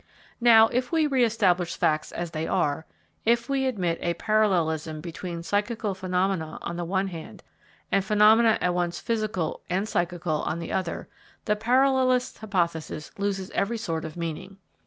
Now if we re establish facts as they are, if we admit a parallelism between physical phenomena, on the one hand, and phenomena at once physical and psychical, on the other, the parallelist hypothesis loses every sort of meaning.